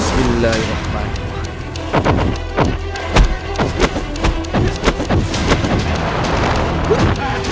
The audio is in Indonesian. semua gerbang nastur